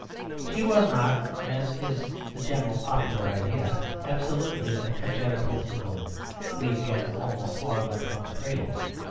She was not, as is the general popular idea, absolutely a congenital invalid, weak, and almost moribund from the cradle.